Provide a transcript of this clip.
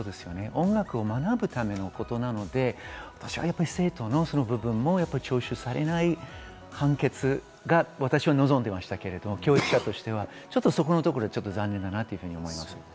音楽を学ぶためのことなので、私は生徒の部分も徴収されない判決が私は望んでいましたけれど、教育者としてそこは残念だと思います。